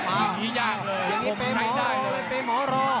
อ้าวอย่างงี้ยากเลยผมใช้ได้เลยเป็นหมอรอเป็นหมอรอ